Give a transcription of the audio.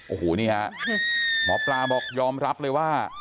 โอ้โหนี่ฮะหมอปลาบอกยอมรับเลยว่า